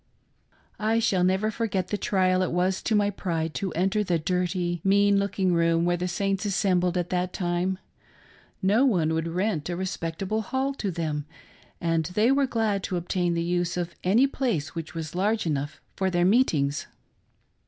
I shall never forget the trial it was to my pride to enter the dirty, mean looking room where the Saints assembled at that time. No one would rent a respectable hall to them, and they were glad to obtain the use of any place which was large enough for their meetings.